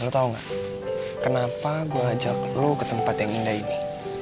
lu tau gak kenapa gue ajak lu ke tempat yang indah ini